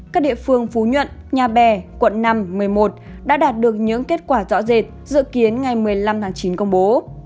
các địa phương phú nhuận nhà bè quận năm một mươi một đã đạt được những kết quả rõ rệt dự kiến ngày một mươi năm tháng chín công bố